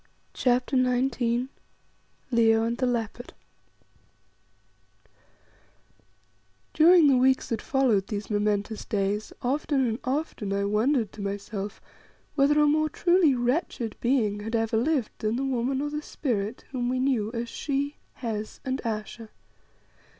CHAPTER XIX LEO AND THE LEOPARD During the weeks that followed these momentous days often and often I wondered to myself whether a more truly wretched being had ever lived than the woman, or the spirit, whom we knew as She, Hes, and Ayesha.